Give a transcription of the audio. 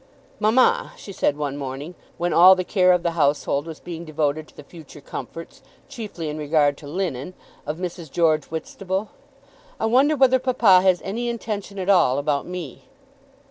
"Mamma," she said one morning when all the care of the household was being devoted to the future comforts, chiefly in regard to linen, of Mrs. George Whitstable, "I wonder whether papa has any intention at all about me."